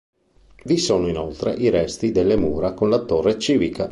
Vi sono inoltre i resti delle mura con la torre civica.